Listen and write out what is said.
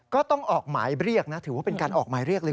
ก็ต้องออกหมายเรียกนะถือว่าเป็นการออกหมายเรียกเลย